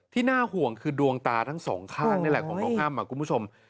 น่าห่วงคือดวงตาทั้งสองข้างนี่แหละของน้องอ้ำคุณผู้ชม